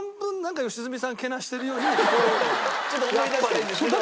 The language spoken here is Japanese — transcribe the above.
ちょっと思い出したいんですけど。